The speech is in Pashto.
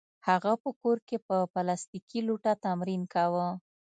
هغه په کور کې په پلاستیکي لوټه تمرین کاوه